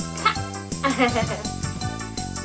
アハハハ。